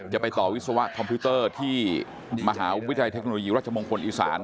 จะไปต่อวิศวะคอมพิวเตอร์ที่มหาวิทยาลัยเทคโนโลยีรัชมงคลอีสาน